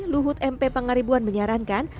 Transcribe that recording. luhut mp pengaribuan menyarankan